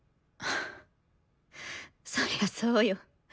そりゃそうよ。